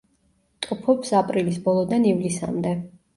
ტოფობს აპრილის ბოლოდან ივლისამდე.